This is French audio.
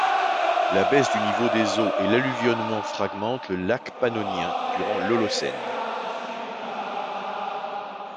La baisse du niveau des eaux et l'alluvionnement fragmentent le lac Pannonien durant l'Holocène.